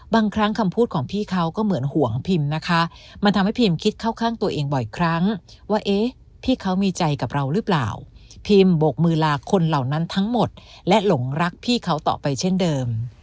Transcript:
บางครั้งคำพูดของพี่เขาก็เหมือนห่วงพิมนะคะมันทำให้พิมคิดเข้าข้างตัวเองบ่อยครั้งว่าเอ๊ะพี่เขามีใจกับเราหรือเปล่าพิมบกมือลาคนเหล่านั้นทั้งหมดและหลงรักพี่เขาต่อไปเช่นเดิม